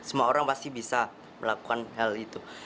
semua orang pasti bisa melakukan hal itu